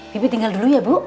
tipi tinggal dulu ya bu